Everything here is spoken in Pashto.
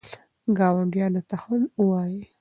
ګاونډیانو ته هم ووایئ.